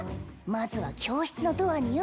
まずは教室のドアによ